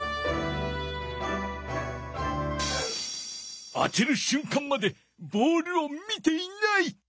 当てる瞬間までボールを見ていない。